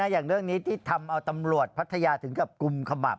อย่างเรื่องนี้ที่ทำเอาตำรวจพัทยาถึงกับกุมขมับ